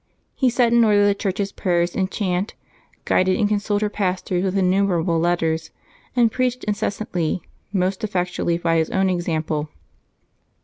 He set in order the Church's prayers and chant, guided and consoled her pastors with innumerable letters, and preached incessantly, most effectually by his own example.